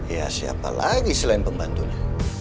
ya siapa lagi selain pembantunya